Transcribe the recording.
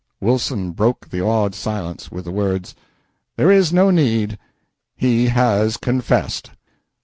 Wilson broke the awed silence with the words "There is no need. He has confessed."